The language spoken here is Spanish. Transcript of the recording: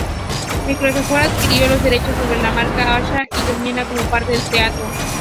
Microsoft adquirió los derechos sobre la marca Asha y Lumia como parte del trato.